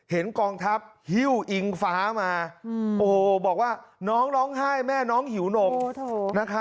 กองทัพหิ้วอิงฟ้ามาโอ้โหบอกว่าน้องร้องไห้แม่น้องหิวหนก